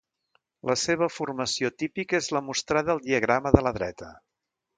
La seva formació típica és la mostrada al diagrama de la dreta.